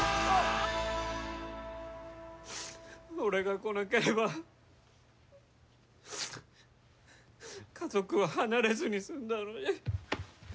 俺が来なければ家族は離れずに済んだのに。